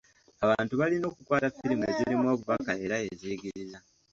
Abantu balina okukwata firimu ezirimu obubaka era eziyigiriza.